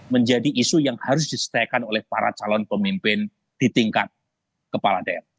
menjadi isu yang harus diselesaikan oleh para calon pemimpin di tingkat kepala daerah